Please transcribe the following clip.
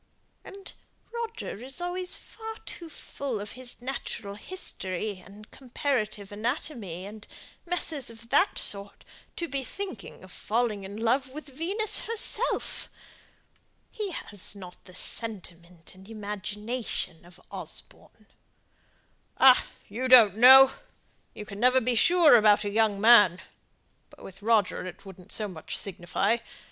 "And Roger is always far too full of his natural history and comparative anatomy, and messes of that sort, to be thinking of falling in love with Venus herself. He has not the sentiment and imagination of Osborne." "Ah, you don't know; you never can be sure about a young man! But with Roger it wouldn't so much signify.